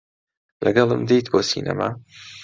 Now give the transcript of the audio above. لەگەڵم دێیت بۆ سینەما؟